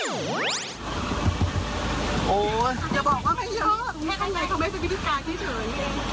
อย่าบอกว่าไม่เยอะเขาไม่เป็นพิธีการที่เฉย